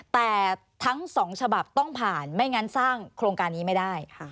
แต่ทั้งสองฉบับต้องผ่านไม่งั้นสร้างโครงการนี้ไม่ได้